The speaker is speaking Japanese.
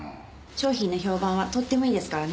商品の評判はとってもいいですからね。